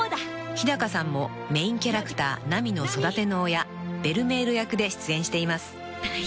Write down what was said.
［日さんもメインキャラクターナミの育ての親ベルメール役で出演しています］